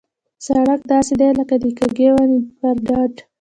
سړک داسې دی لکه د کږې ونې پر ډډ.